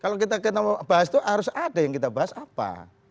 kalau kita mau bahas itu harus ada yang kita bahas apa